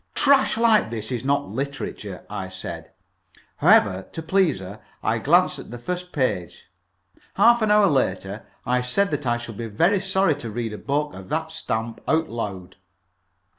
"Trash like this is not literature," I said. However, to please her, I glanced at the first page. Half an hour later I said that I should be very sorry to read a book of that stamp out loud.